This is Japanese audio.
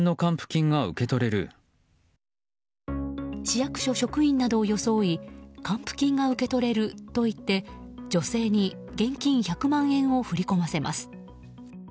市役所職員などを装い還付金が受け取れると言って女性に現金１００万円を振り込ませます。